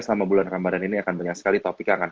selama bulan ramadhan ini akan banyak sekali topik yang akan